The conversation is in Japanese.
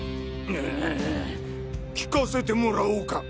んん聞かせてもらおうか。